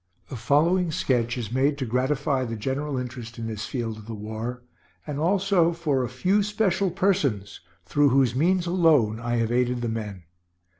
The following sketch is made to gratify the general interest in this field of the war, and also for a few special persons through whose means alone I have aided the men.